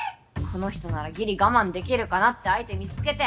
この人ならぎり我慢できるかなって相手見つけて。